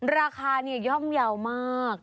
ราคาเนี่ยย่อมเยามาก